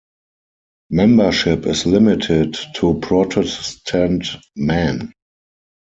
Membership is limited to Protestant men.